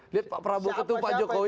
lihat pak prabowo ketum pak jokowi